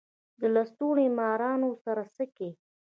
د لستوڼو مارانو سره څه کئ.